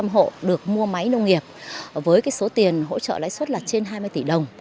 bảy trăm linh hộ được mua máy nông nghiệp với số tiền hỗ trợ lãi xuất là trên hai mươi tỷ đồng